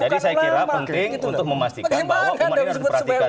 jadi saya kira penting untuk memastikan bahwa umat ini harus diperhatikan